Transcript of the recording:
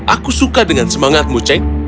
aku suka dengan semangatmu ceng